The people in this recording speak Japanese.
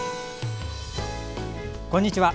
こんにちは。